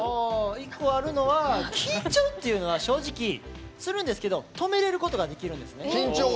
一個あるのは緊張っていうのは正直するんですけど止めれることができるんです。